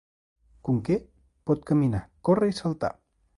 Conker pot caminar, córrer i saltar.